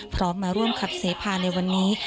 พร้อมมาร่วมขับเสพาในวันนี้